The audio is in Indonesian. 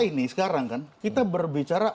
ini sekarang kan kita berbicara